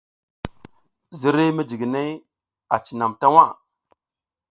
Ziriy mijiginey a cinam ta waʼa.